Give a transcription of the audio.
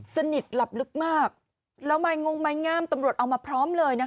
สนิทหลับลึกมากแล้วไม้งงไม้งามตำรวจเอามาพร้อมเลยนะคะ